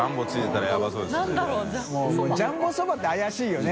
發「ジャンボそば」って怪しいよね。